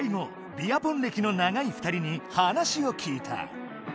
ビアポン歴の長い２人に話を聞いた。